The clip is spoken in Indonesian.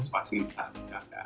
fasilitas nggak ada